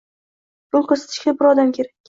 Yo‘l ko‘rsatishga bir odam kerak.